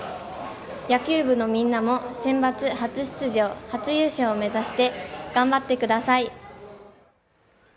野球部のみんなもセンバツ初出場初優勝を目指して、頑張ってください！